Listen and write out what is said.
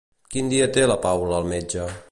Quin dia té la Paula el metge?